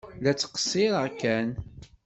La ttqeṣṣireɣ kan!